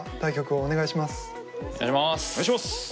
お願いします！